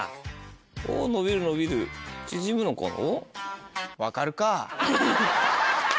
おぉ伸びる伸びる縮むのかな？